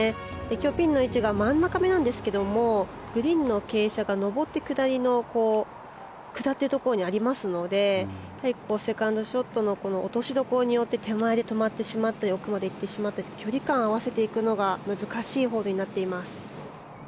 今日、ピンの位置が真ん中めなんですけどもグリーンの傾斜が上って下りの下っているところにありますのでセカンドショットの落としどころによって手前で止まってしまったり奥まで行ってしまったり距離感を合わせるのが難しいホールになっています。